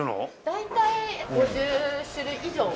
大体５０種類以上。